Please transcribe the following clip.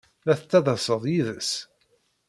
La tettaḍḍased yid-s?